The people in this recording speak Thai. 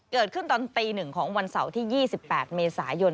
ตอนตี๑ของวันเสาร์ที่๒๘เมษายน